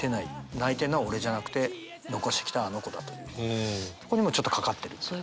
泣いてるのは俺じゃなくて残してきたあの娘だというとこにもちょっとかかってるというか。